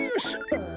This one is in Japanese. ああ。